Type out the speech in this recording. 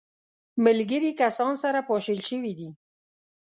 ملګري کسان سره پاشل سوي دي.